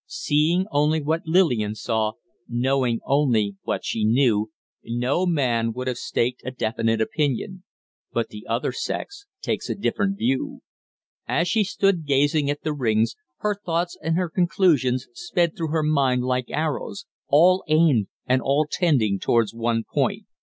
Seeing only what Lillian saw, knowing only what she knew, no man would have staked a definite opinion; but the other sex takes a different view. As she stood gazing at the rings her thoughts and her conclusions sped through her mind like arrows all aimed and all tending towards one point.